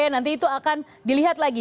nanti itu akan dilihat lagi